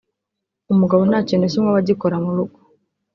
umugabo nta kintu na kimwe aba agikora mu rugo